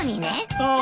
ああ。